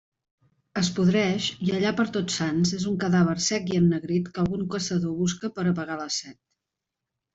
Es podreix, i allà per Tots Sants és un cadàver sec i ennegrit que algun caçador busca per a apagar la set.